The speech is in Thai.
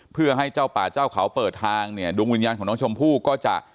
เพื่อให้เจ้าป่าเจ้าเขาเปิดทางเนี่ยดวงวิญญาณของน้องชมพู่ก็จะ